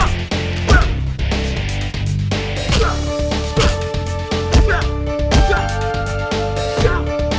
kenapa sih lo tuh gak mau dengerin kata kata gue